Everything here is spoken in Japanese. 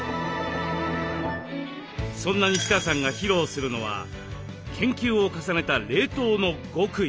そんな西川さんが披露するのは研究を重ねた冷凍の極意。